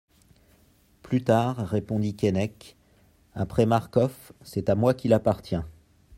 Plus tard, répondit Keinec, Après Marcof, c'est à moi qu'il appartient.